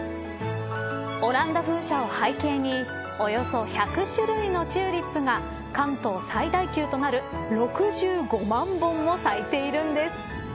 オランダ風車を背景におよそ１００種類のチューリップが関東最大級となる６５万本も咲いているんです。